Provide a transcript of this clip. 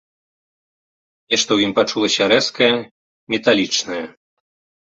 Нешта ў ім пачулася рэзкае, металічнае.